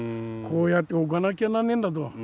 こうやっておかなきゃなんねんだど。